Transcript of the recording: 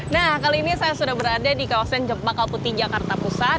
nah kali ini saya sudah berada di kawasan jepang kalkuti jakarta pusat